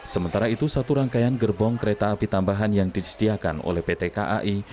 sementara itu satu rangkaian gerbong kereta api tambahan yang disediakan oleh pt kai